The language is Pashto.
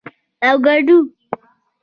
🥑 اوکاډو